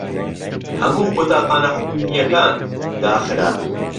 هەموو قوتابخانە حکوومییەکان داخران.